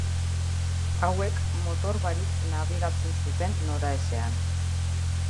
Hauek motor barik nabigatzen zuten noraezean.